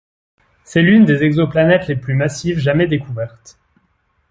C'est l'une des exoplanètes les plus massives jamais découverte.